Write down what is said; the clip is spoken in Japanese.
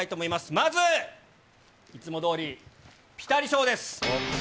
まずいつもどおりピタリ賞です。